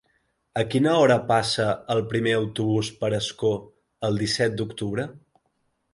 A quina hora passa el primer autobús per Ascó el disset d'octubre?